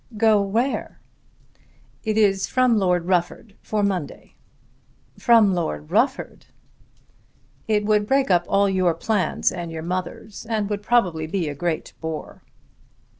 "Go where?" "It is from Lord Rufford, for Monday." "From Lord Rufford!" "It would break up all your plans and your mother's, and would probably be a great bore."